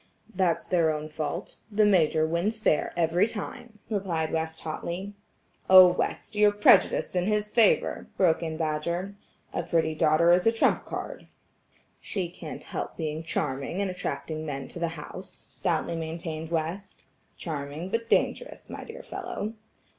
"That's their own fault; the Major wins fair every time," replied West hotly. "Oh, West, you're prejudiced in his favor," broke in Badger. "A pretty daughter is a trump card." "She can't help being charming and attracting men to the house," stoutly maintained West. "Charming, but dangerous, my dear fellow."